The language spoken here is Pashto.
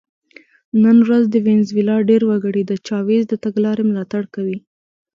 نن ورځ د وینزویلا ډېر وګړي د چاوېز د تګلارې ملاتړ کوي.